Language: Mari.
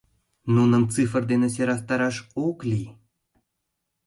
Нуным цифр дене сӧрастараш ок лий.